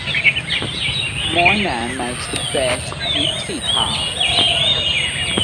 My nan makes the best Gypsy tarts.